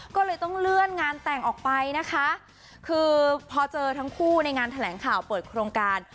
ก็เลยต้องเลื่อนงานแต่งออกไปนะคะคือพอเจอทั้งคู่ในงานแถลงข่าวเปิดโครงการ